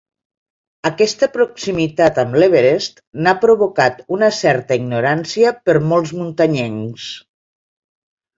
Aquesta proximitat amb l'Everest n'ha provocat una certa ignorància per molts muntanyencs.